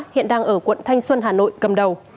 hiện đang ở quận thanh xuân hà nội cầm đầu